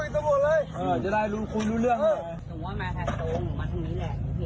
ทหารเตอร์ไซต์คู่กับทหารเมาขี่จักรยานยนต์